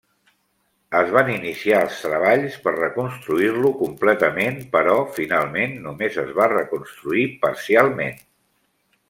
Es van iniciar els treballs per reconstruir-lo completament, però finalment només es va reconstruir parcialment.